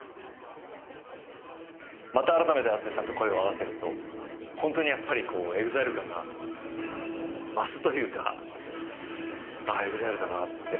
また改めてＡＴＳＵＳＨＩさんと声を合わせると、本当にやっぱりこう、ＥＸＩＬＥ感が増すというか、あー、ＥＸＩＬＥだなって。